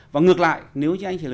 và ngược lại nếu như anh chỉ là